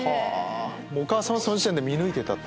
お母さんはその時点で見抜いた？